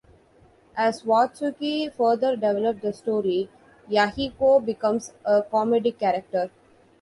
As Watsuki further developed the story, Yahiko becomes a comedic character.